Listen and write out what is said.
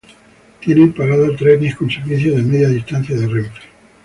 Tienen parada trenes con servicios de Media Distancia de Renfe.